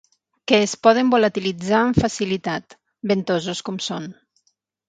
Que es poden volatilitzar amb facilitat, ventosos com són.